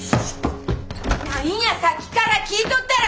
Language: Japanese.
何やさっきから聞いとったら！